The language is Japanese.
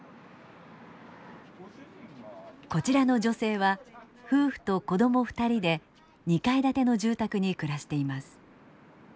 こちらの女性は夫婦と子供２人で２階建ての住宅に暮らしています。